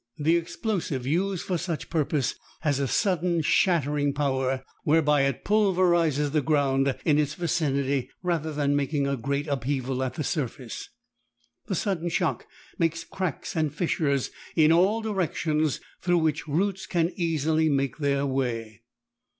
The explosive used for such a purpose has a sudden shattering power, whereby it pulverises the ground in its vicinity rather than making a great upheaval at the surface. The sudden shock makes cracks and fissures in all directions, through which roots can easily make their way.